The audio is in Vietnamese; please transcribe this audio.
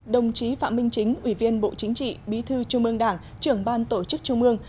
đồng chí phạm minh chính ủy viên bộ chính trị bí thư trung ương đảng trưởng ban tổ chức trung ương